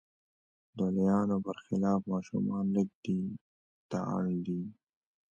د لویانو پر خلاف ماشومان لږ دې ته اړ دي.